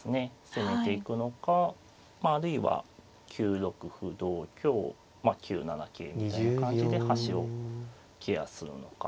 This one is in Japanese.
攻めていくのかあるいは９六歩同香９七桂みたいな感じで端をケアするのか。